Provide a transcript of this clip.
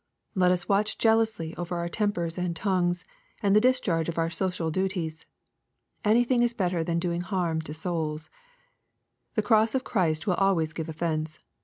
Let us watch jealously over our tempers and tongues, and the discharge of our social duties. Anything is better than doing harm to souls. The cross of Christ will always give offence.